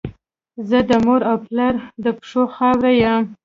زه د مور او پلار د پښو خاوره یم.